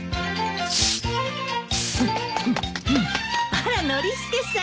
あらノリスケさん。